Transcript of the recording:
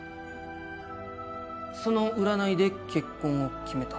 現在その占いで結婚を決めた？